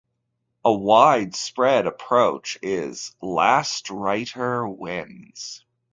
A widespread approach is "last writer wins".